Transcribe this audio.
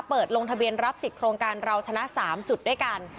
ลงทะเบียนรับสิทธิ์โครงการเราชนะ๓จุดด้วยกัน